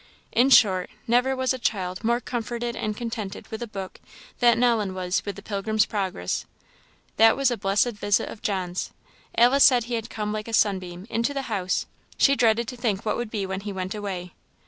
In short, never was a child more comforted and contented with a book than Ellen was with the Pilgrim's Progress. That was a blessed visit of John's. Alice said he had come like a sunbeam into the house; she dreaded to think what would be when he went away.